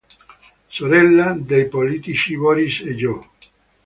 Sorella dei politici Boris e Jo.